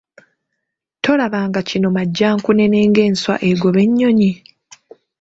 Tolaba nga kino Majjankunene ng'enswa egoba ennyonyi?